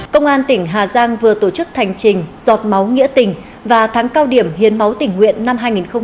công an tỉnh hà giang vừa tổ chức thành trình giọt máu nghĩa tỉnh và thắng cao điểm hiến máu tỉnh nguyện năm hai nghìn hai mươi hai